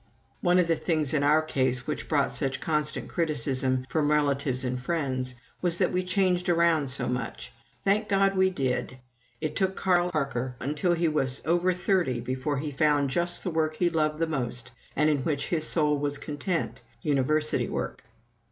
One of the things in our case which brought such constant criticism from relatives and friends was that we changed around so much. Thank God we did! It took Carl Parker until he was over thirty before he found just the work he loved the most and in which his soul was content university work.